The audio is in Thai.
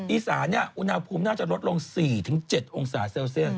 อีสานอุณหภูมิน่าจะลดลง๔๗องศาเซลเซียส